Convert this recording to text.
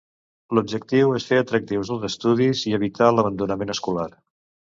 L'objectiu és fer atractius els estudis i evitar l'abandonament escolar.